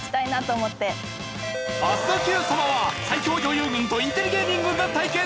明日の『Ｑさま！！』は最強女優軍とインテリ芸人軍が対決！